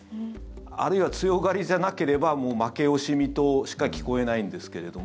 あるいは強がりじゃなければもう負け惜しみとしか聞こえないんですけれど